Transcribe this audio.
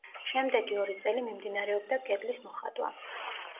შემდეგი ორი წელი მიმდინარეობდა კედლების მოხატვა.